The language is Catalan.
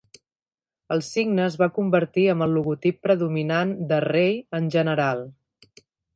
El signe es va convertir amb el logotip predominant de "Rei" en general.